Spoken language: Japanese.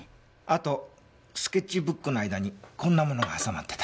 あとスケッチブックの間にこんなものが挟まってた。